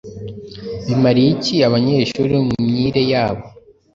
bimariye iki abanyeshuri mumyire yabo